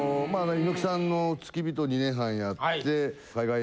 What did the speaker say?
猪木さんの付き人２年半やって。